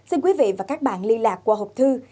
xin quý vị và các bạn liên lạc qua hộp thư